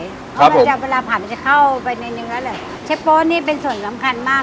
ครับผมเพราะเราจะเวลาผัดมันจะเข้าไปในนึงแล้วเลยเช็ดโป๊ตนี่เป็นส่วนสำคัญมาก